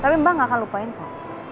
tapi mbak gak akan lupain kok